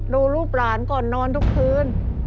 ดูรูปหลานก่อนนอนทุกคืน